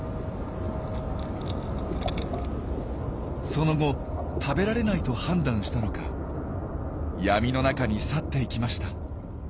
その後食べられないと判断したのか闇の中に去っていきました。